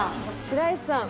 白石さん。